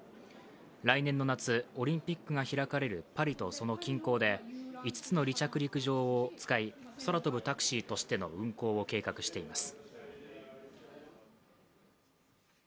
来年の夏、オリンピックが開かれるパリとその近郊で、５つの離着陸場を使い、空飛ぶタクシーとしての運航を計画しています。